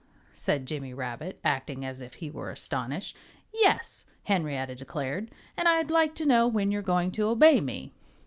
said Jimmy Rabbit, acting as if he were astonished. "Yes!" Henrietta declared. "And I'd like to know when you're going to obey me."